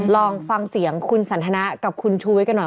ลองฟังเสียงคุณสันทนากับคุณชูวิทย์กันหน่อย